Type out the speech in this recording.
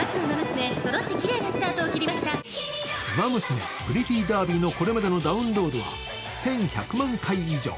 「ウマ娘プリティダービー」のこれまでのダウンロードは１１００万回以上。